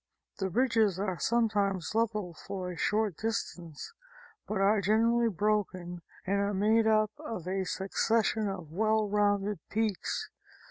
The ridges are sometimes level for a short distance, but are generally broken and are made up of a succession of well rounded peaks.